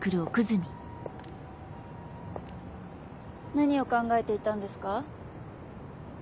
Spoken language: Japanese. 何を考えていたんですか？